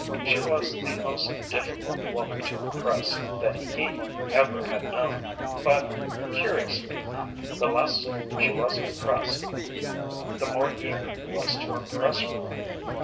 She was the most difficult woman to impress that he ever had known, but, curiously, the less she was impressed the more eager he was to impress her.